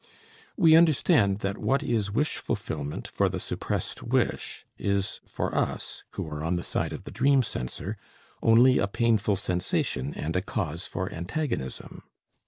We understand that what is wish fulfillment for the suppressed wish is for us, who are on the side of the dream censor, only a painful sensation and a cause for antagonism.